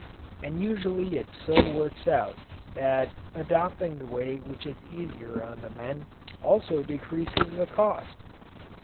And usually it so works out that adopting the way which is easier on the men also decreases the cost.